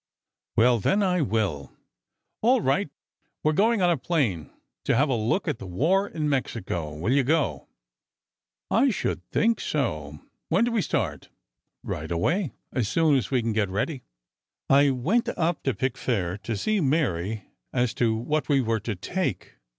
"'Well, then I will.' "'All right. We're going on a plane to have a look at the war in Mexico. Will you go?' "'I should think so. When do we start?' "'Right away, as soon as we can get ready.' "I went up to Pickfair, to see Mary as to what we were to take.